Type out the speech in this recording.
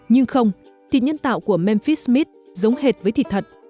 nhưng không thịt nhân tạo của memphis mist giống hệt với thịt thật